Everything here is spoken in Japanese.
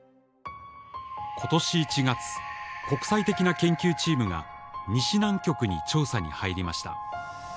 今年１月国際的な研究チームが西南極に調査に入りました。